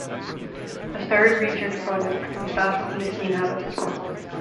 A third research project was that of listening habits.